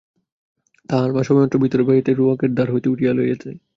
তাহার মা সবেমাত্র ভিতরের বাড়িতে ঢুকিয়া মাটির প্রদীপটা রোয়াকের ধার হইতে উঠাইয়া লইতেছে।